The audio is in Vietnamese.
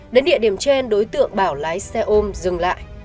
đến địa điểm trên đối tượng bảo lái xe ôm dừng lại